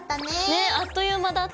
ねあっという間だった。